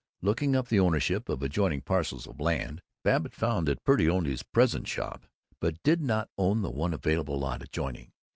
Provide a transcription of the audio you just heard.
Looking up the ownership of adjoining parcels of land, Babbitt found that Purdy owned his present shop but did not own the one available lot adjoining.